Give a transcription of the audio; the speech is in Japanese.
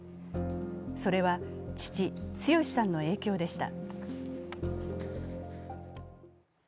それは父・強さんの影響でした。